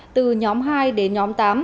từ nhóm hai đến nhóm tám